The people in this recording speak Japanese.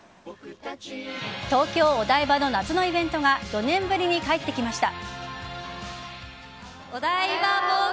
東京・お台場の夏のイベントが４年ぶりに帰ってきました。